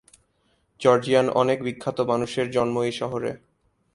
Georgian অনেক বিখ্যাত মানুষের জন্ম এই শহরে।